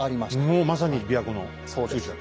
もうまさに琵琶湖のすぐ近く。